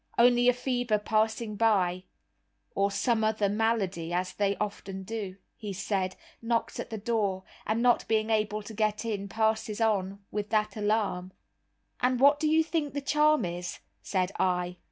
Only a fever passing by, or some other malady, as they often do, he said, knocks at the door, and not being able to get in, passes on, with that alarm." "And what do you think the charm is?" said I.